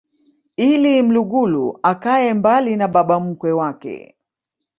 ili mlugulu akae mbali na baba mkwe wake